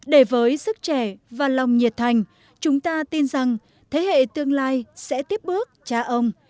để với sức trẻ và lòng nhiệt thành chúng ta tin rằng thế hệ tương lai sẽ tiếp bước cha ông